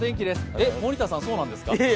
え、森田さん、そうなんですか？